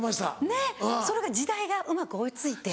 ねっそれが時代がうまく追い付いて。